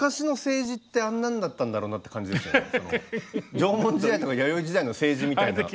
縄文時代とか弥生時代の政治みたいな。